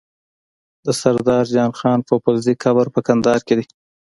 د سردار جان خان پوپلزی قبر په کندهار کی دی